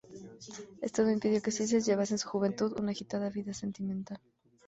Esto no impidió que Schnitzler llevase en su juventud una agitada vida sentimental.